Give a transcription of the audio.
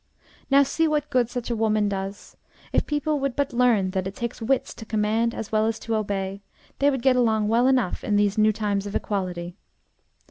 Now see what good such a woman does. If people would but learn that it takes wits to command as well as to obey, they would get along well enough in these new times of equality.